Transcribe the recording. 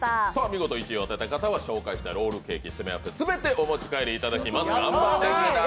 見事１位を当てた方は紹介したロールケーキ詰め合わせを全てお持ち帰りいただきます。